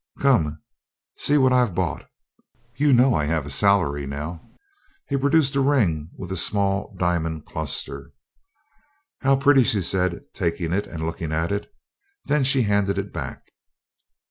"Come. See what I've bought. You know I have a salary now." He produced a ring with a small diamond cluster. "How pretty!" she said, taking it and looking at it. Then she handed it back.